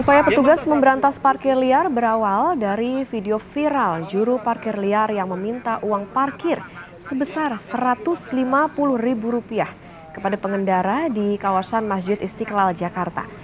upaya petugas memberantas parkir liar berawal dari video viral juru parkir liar yang meminta uang parkir sebesar rp satu ratus lima puluh ribu rupiah kepada pengendara di kawasan masjid istiqlal jakarta